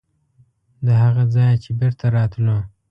د هغه ځایه چې بېرته راتلو.